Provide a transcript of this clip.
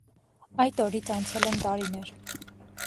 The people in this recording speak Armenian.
Այդ օրից անցել են տարիներ: